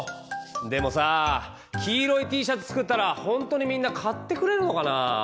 でもさ黄色いＴシャツ作ったらほんとにみんな買ってくれるのかな？